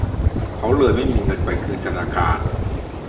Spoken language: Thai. เขาเลยไม่มีเงินไปคืนธนาคาร